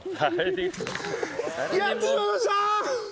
やっちまいました！